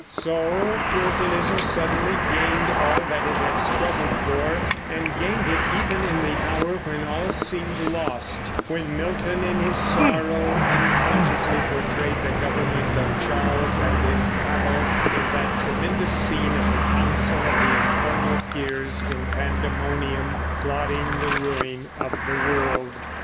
So Puritanism suddenly gained all that it had struggled for, and gained it even in the hour when all seemed lost, when Milton in his sorrow unconsciously portrayed the government of Charles and his Cabal in that tremendous scene of the council of the infernal peers in Pandemonium, plotting the ruin of the world.